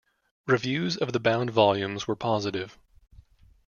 Reviews of the bound volumes were positive.